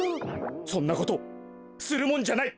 そんなことするもんじゃない！